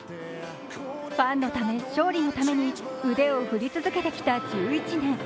ファンのため、勝利のために腕を振り続けてきた１１年。